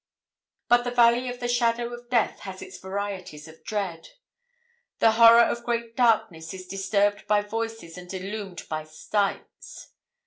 But the valley of the shadow of death has its varieties of dread. The 'horror of great darkness' is disturbed by voices and illumed by sights.